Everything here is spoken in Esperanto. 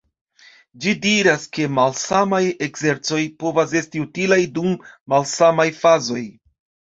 Ĝi diras, ke malsamaj ekzercoj povas esti utilaj dum malsamaj fazoj.